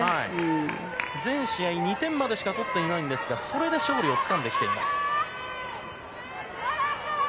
全試合２点までしか取っていないんですがそれで勝利をつかんできています。